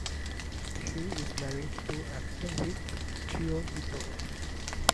She is married to actor Rick Giolito.